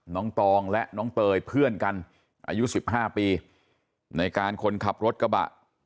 ตองและน้องเตยเพื่อนกันอายุ๑๕ปีในการคนขับรถกระบะ